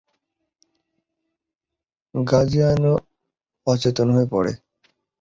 Graziano অচেতন হয়ে পড়ে।